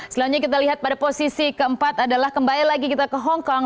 selanjutnya kita lihat pada posisi keempat adalah kembali lagi kita ke hongkong